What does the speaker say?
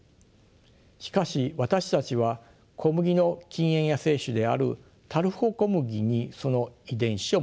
しかし私たちは小麦の近縁野生種であるタルホコムギにその遺伝子を求めました。